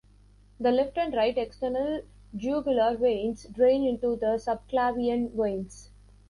The left and right external jugular veins drain into the subclavian veins.